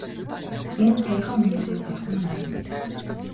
Энд саяхан хүмүүсийг булсан байна.